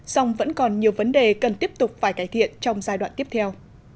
song vẫn còn nhiều vấn đề cần tiếp tục phải cải thiện trong giai đoạn tiếp theo